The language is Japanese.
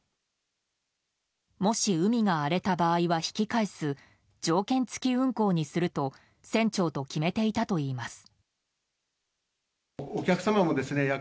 もし海が荒れた場合は引き返す条件付き運航にすると船長と決めていたといいます。